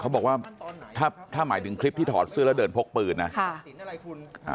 เขาบอกว่าถ้าถ้าหมายถึงคลิปที่ถอดเสื้อแล้วเดินพกปืนนะค่ะ